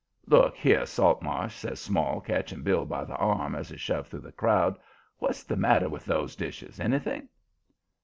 "Look here, Saltmarsh!" says Small, catching Bill by the arm as he shoved through the crowd. "What's the matter with those dishes anything?"